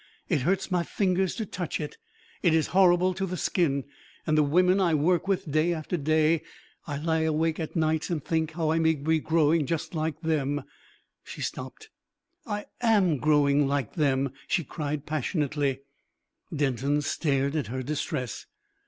It hurts my fingers to touch it. It is horrible to the skin. And the women I work with day after day! I lie awake at nights and think how I may be growing like them...." She stopped. "I am growing like them," she cried passionately. Denton stared at her distress.